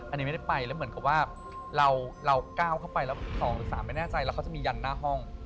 อันนี้ไม่ได้ไปแล้วเหมือนกับว่าเราก้าวเข้าไปแล้ว๒๓ไม่แน่ใจแล้วเขาจะมียันหน้าห้อง